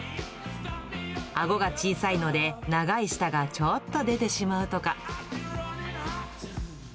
あごが小さいので、長い舌がちょっと出てしまうとか。